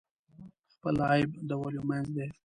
خپل عیب د ولیو منځ دی.